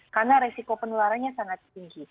karena resiko penularannya sangat tinggi